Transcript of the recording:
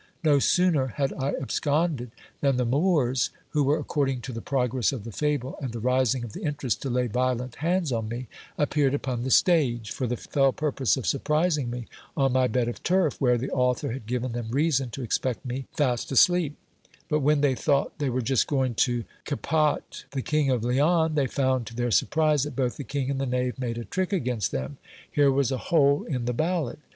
No sooner had I absconded, than the Moors, who were, according to the progress of the fable and the rising of the interest, to lay violent hands on me, appeared upon the stage, for the fell purpose of surprising me on my bed of turf, where the author had given them reason to expect me fast asleep ; but when they thought they were just going to capot the King of Leon, they found, to their surprise, that both the king and the knave made a trick against them. Here was a hole in the ballad